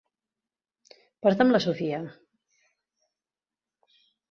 Porta'm la Sophia.